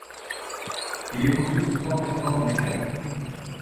Il est construit sur trois plateformes en étage.